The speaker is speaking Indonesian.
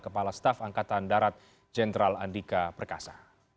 kepala staf angkatan darat jenderal andika perkasa